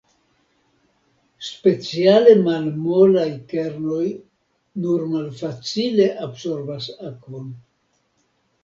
Speciale malmolaj kernoj nur malfacile absorbas akvon.